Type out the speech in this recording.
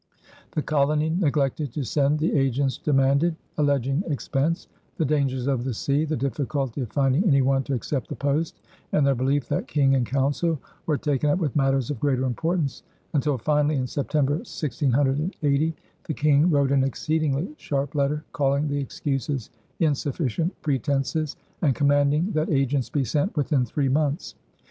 The colony neglected to send the agents demanded, alleging expense, the dangers of the sea, the difficulty of finding any one to accept the post, and their belief that King and council were "taken up with matters of greater importance," until finally in September, 1680, the King wrote an exceedingly sharp letter, calling the excuses "insufficient pretences," and commanding that agents be sent within three months.